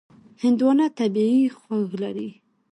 هندوانه طبیعي خوږ لري.